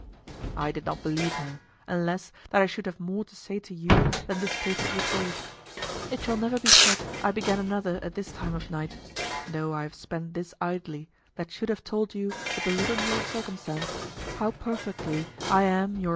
I did not believe her, and less, that I should have more to say to you than this paper would hold. It shall never be said I began another at this time of night, though I have spent this idly, that should have told you with a little more circumstance how perfectly I am yours.